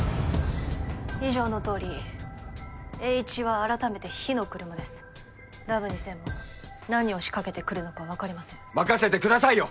以上のとおりエーイチは改めて火の車ですラブ２０００も何を仕掛けてくるのか分かりません任せてくださいよ